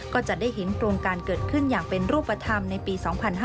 ก็จะได้เห็นโครงการเกิดขึ้นอย่างเป็นรูปธรรมในปี๒๕๕๙